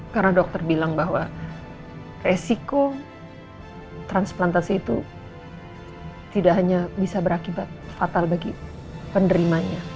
karena dokter bilang bahwa resiko transplantasi itu tidak hanya bisa berakibat fatal bagi penderimanya